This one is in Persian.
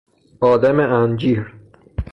آدم انجیر